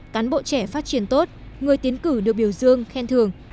cán bộ trẻ phát triển tốt người tiến cử được biểu dương khen thường